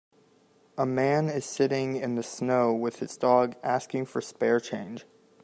A man is sitting in the snow with his dog asking for spare change.